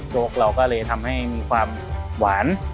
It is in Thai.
เราก็เลยทำให้มีความหวาน